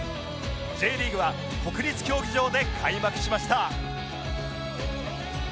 Ｊ リーグは国立競技場で開幕しました